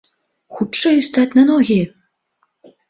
Хутчэй устаць на ногі!